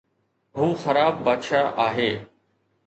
هو خراب بادشاهه آهي